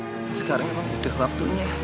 ya sekarang emang udah waktunya